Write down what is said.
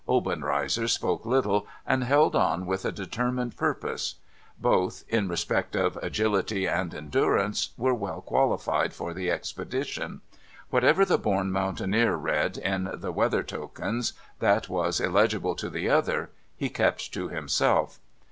Obenreizer spoke little, and held on with a determined purpose. Both, in respect of agility and endurance, were well qualified for the expedition. Whatever the born mountaineer read in the weather tokens that was illegible to the other, he kept to himself.